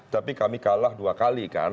tapi kami kalah dua kali kan